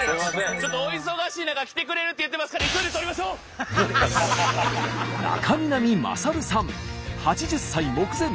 ちょっとお忙しい中来てくれるって言ってますから８０歳目前。